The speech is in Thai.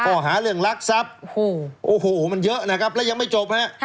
ข้อหาเรื่องรักทรัพย์โอ้โหมันเยอะนะครับแล้วยังไม่จบฮะ